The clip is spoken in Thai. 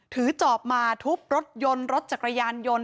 จอบมาทุบรถยนต์รถจักรยานยนต์